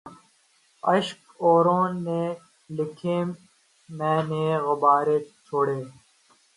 اشک اوروں نے لکھے مَیں نے غبارے چھوڑے